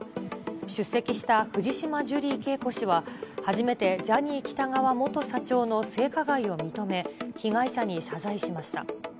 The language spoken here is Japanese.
出席した藤島ジュリー景子氏は、初めてジャニー喜多川元社長の性加害を認め、被害者に謝罪しました。